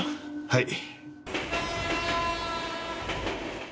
はい。